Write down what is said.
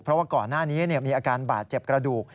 เพราะว่าก่อนหน้านี้มีอาการบาดเจ็บกระดูก